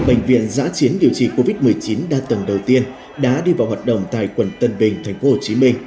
bệnh viện giã chiến điều trị covid một mươi chín đa tầng đầu tiên đã đi vào hoạt động tại quận tân bình tp hcm